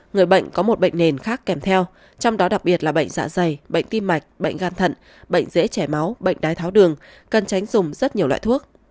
người bệnh có một bệnh nền khác kèm theo trong đó đặc biệt là bệnh dạ dày bệnh tim mạch bệnh gan thận bệnh dễ chảy máu bệnh đái tháo đường cần tránh dùng rất nhiều loại thuốc